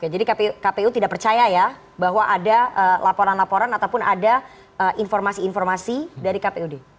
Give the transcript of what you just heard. jadi kpu tidak percaya ya bahwa ada laporan laporan ataupun ada informasi informasi dari kpud